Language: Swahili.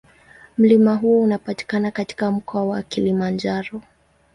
Mlima huo unapatikana katika Mkoa wa Kilimanjaro.